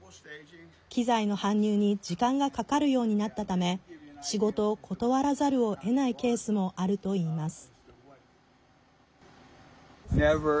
機材の搬入に時間がかかるようになったため仕事を断らざるをえないケースもあるといいます。